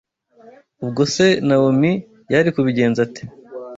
Ubwo se Nawomi yari kubigenza ate